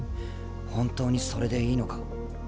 本当にそれでいいのか？